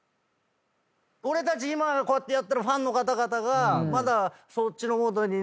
「俺たち今こうやってやったらファンの方々がまだそっちのモードになってないな。